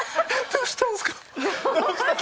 どうしたんすか？